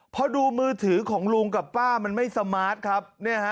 พอดูมือถือของลุงกับป้ามันไม่สมาร์ทครับ